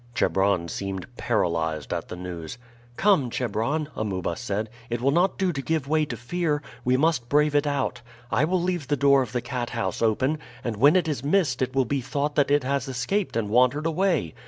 Chebron seemed paralyzed at the news. "Come, Chebron," Amuba said, "it will not do to give way to fear; we must brave it out. I will leave the door of the cat house open, and when it is missed it will be thought that it has escaped and wandered away.